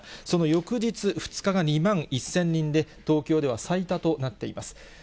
その翌日、２日が２万１０００人で、東京では最多となっています。